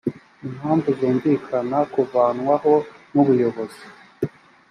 impamvu zumvikana kuvanwaho n ubuyobozi